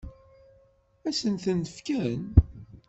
Ad sen-ten-fken?